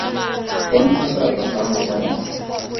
Bontsha seatla sa gago sa moja.